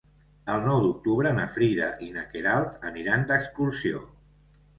El nou d'octubre na Frida i na Queralt aniran d'excursió.